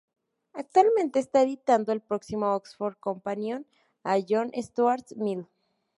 Actualmente, está editando el próximo "Oxford Companion" a John Stuart Mill.